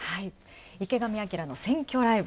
「池上彰の選挙ライブ」。